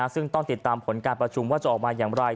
ซึ่งต้องติดตามผลการประชุมว่าจะออกมาอย่างไร